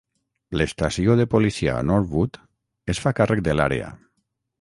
L'estació de policia Norwood es fa càrrec de l'àrea.